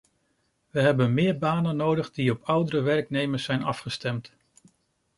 We hebben meer banen nodig die op oudere werknemers zijn afgestemd.